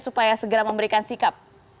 supaya segera memberikan sikap